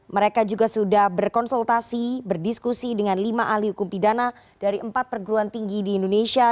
mereka juga sudah berkonsultasi berdiskusi dengan lima ahli hukum pidana dari empat perguruan tinggi di indonesia